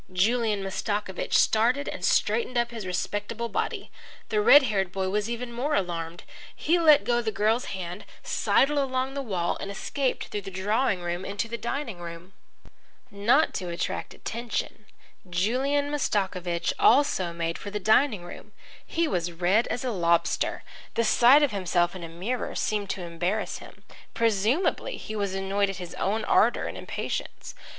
Julian Mastakovich started and straightened up his respectable body. The red haired boy was even more alarmed. He let go the girl's hand, sidled along the wall, and escaped through the drawing room into the dining room. Not to attract attention, Julian Mastakovich also made for the dining room. He was red as a lobster. The sight of himself in a mirror seemed to embarrass him. Presumably he was annoyed at his own ardour and impatience.